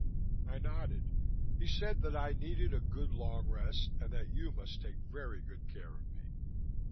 I nodded. "He said that I needed a good long rest and that you must take very good care of me."